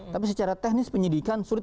tapi secara teknis penyidikan